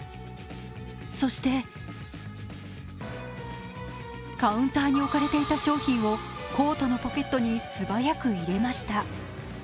そして、カウンターに置かれていた商品をコートのポケットに素早く入れました。